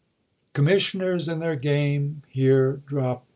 13' The commissioners and their game here drop